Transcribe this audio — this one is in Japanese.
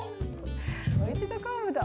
もう一度カーブだ。